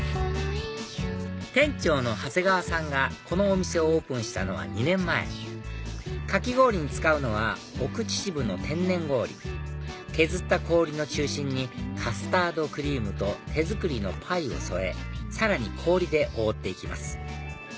店長の長谷川さんがこのお店をオープンしたのは２年前かき氷に使うのは奥秩父の天然氷削った氷の中心にカスタードクリームと手作りのパイを添えさらに氷で覆っていきます